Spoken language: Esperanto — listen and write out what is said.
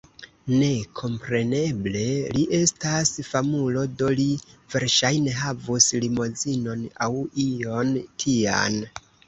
Ne... kompreneble, li estas famulo do li verŝajne havus limozinon aŭ ion tian